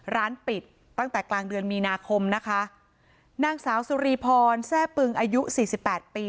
ร้านปิดตั้งแต่กลางเดือนมีนาคมนะคะนางสาวสุรีพรแซ่ปึงอายุสี่สิบแปดปี